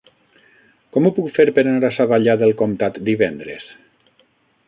Com ho puc fer per anar a Savallà del Comtat divendres?